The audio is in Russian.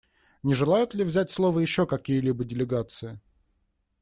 Не желают ли взять слово еще какие-либо делегации?